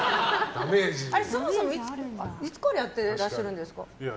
そもそも、いつからやってらっしゃるんですか？